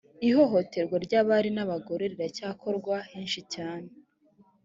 ihohoterwa ry’abari n’abagore riracyakorwa henshi cyane